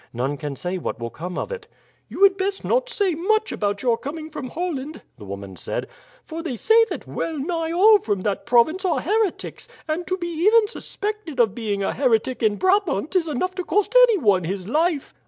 "None can say what will come of it." "You had best not say much about your coming from Holland," the woman said; "for they say that well nigh all from that province are heretics, and to be even suspected of being a heretic in Brabant is enough to cost anyone his life."